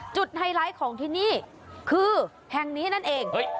ไฮไลท์ของที่นี่คือแห่งนี้นั่นเอง